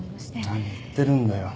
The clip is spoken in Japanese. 何言ってるんだよ